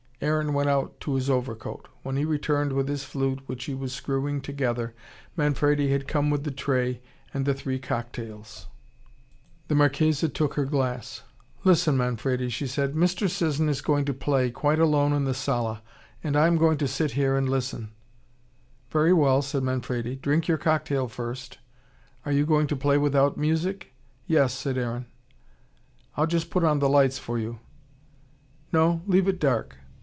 Aaron went out to his overcoat. When he returned with his flute, which he was screwing together, Manfredi had come with the tray and the three cocktails. The Marchesa took her glass. "Listen, Manfredi," she said. "Mr. Sisson is going to play, quite alone in the sala. And I am going to sit here and listen." "Very well," said Manfredi. "Drink your cocktail first. Are you going to play without music?" "Yes," said Aaron. "I'll just put on the lights for you." "No leave it dark.